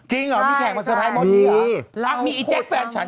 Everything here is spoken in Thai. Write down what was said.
จริงเหรอมีแขกมาเซอร์ไพรส์หมดเหรอมีเหรออ้าวมีไอ้แจ๊กแฟนฉัน